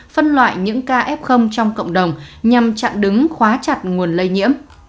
phân loại những ca f trong cộng đồng nhằm chặn đứng khóa chặt nguồn lây nhiễm